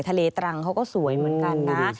ตรังเขาก็สวยเหมือนกันนะ